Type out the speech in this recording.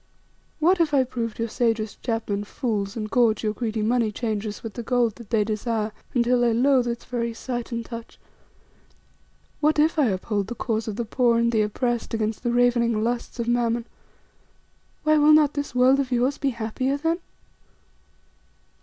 What if I proved your sagest chapmen fools, and gorge your greedy moneychangers with the gold that they desire until they loathe its very sight and touch? What if I uphold the cause of the poor and the oppressed against the ravening lusts of Mammon? Why, will not this world of yours be happier then?"